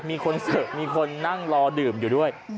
มีคนเสิร์ฟมีคนนั่งรอดื่มอยู่ด้วย